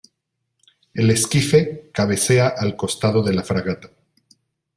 el esquife cabecea al costado de la fragata.